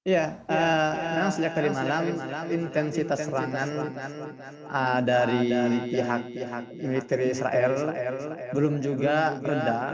ya memang sejak tadi malam intensitas serangan dari pihak pihak militer israel belum juga rendah